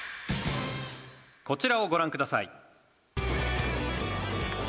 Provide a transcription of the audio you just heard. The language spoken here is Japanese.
「こちらをご覧ください」